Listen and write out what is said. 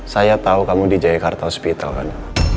saya tahu kamu di jayakarta hospital kan